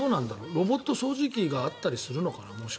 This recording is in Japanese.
ロボット掃除機があったりするのかな？